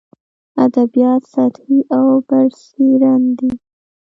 ادبیات سطحي او برسېرن دي.